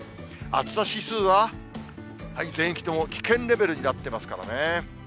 暑さ指数は、全域とも危険レベルになっていますからね。